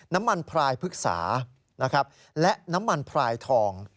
น้ำมันพลายพฤกษาและน้ำมันพลายทอง